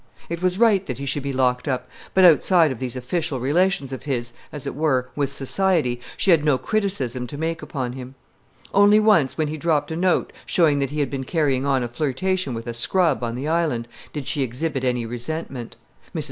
It was right that he should be locked up, but outside of these official relations of his, as it were, with society, she had no criticism to make upon him. Only once, when he dropped a note showing that he had been carrying on a flirtation with a "scrub" on the Island, did she exhibit any resentment. Mrs.